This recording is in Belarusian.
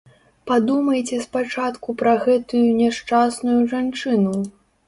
Падумайце спачатку пра гэтую няшчасную жанчыну.